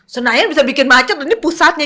senayan bisa bikin macet ini pusatnya